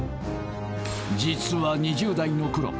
実は２０代のころ